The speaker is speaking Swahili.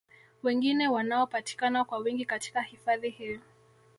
wengine wanaopatikana kwa wingi katika hifadhi hii